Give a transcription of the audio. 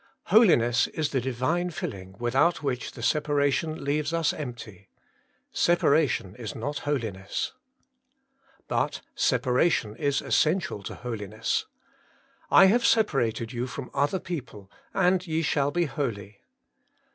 Holiness is the Divine filling without which the separation leaves us empty. Separation is not holiness. But separation is essential to holiness. ' I have separated you from other people, and ye shall be holy.'